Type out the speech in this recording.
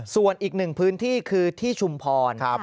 ส่วนอีกหนึ่งพื้นที่คือที่ชุมพร